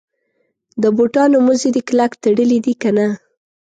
د بوټانو مزي دي کلک تړلي دي کنه.